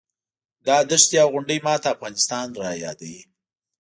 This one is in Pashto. دا دښتې او غونډۍ ماته افغانستان رایادوي.